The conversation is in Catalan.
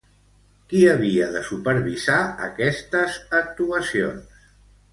Qui havia de supervisar aquestes actuacions?